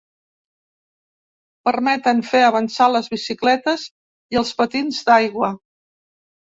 Permeten fer avançar les bicicletes i els patins d'aigua.